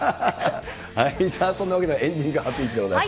そんなわけでエンディングハピイチでございます。